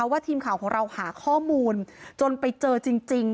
ว่าทีมข่าวของเราหาข้อมูลจนไปเจอจริง